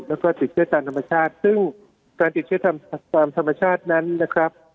แล้วก็ติดเชื้อตามธรรมชาติซึ่งการติดเชื้อตามธรรมชาตินั้นนะครับ